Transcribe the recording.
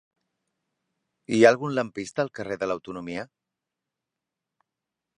Hi ha algun lampista al carrer de l'Autonomia?